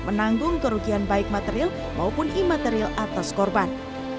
menanggung kerugian baik material maupun imaterial atas korban